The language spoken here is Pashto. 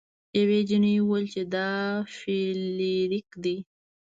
یوې جینۍ وویل چې دا فلیریک دی.